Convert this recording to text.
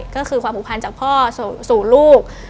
ก็คือความผูกพันจากพ่อสู่ลูก